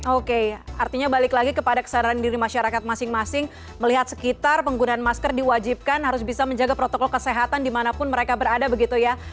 oke artinya balik lagi kepada kesadaran diri masyarakat masing masing melihat sekitar penggunaan masker diwajibkan harus bisa menjaga protokol kesehatan dimanapun mereka berada begitu ya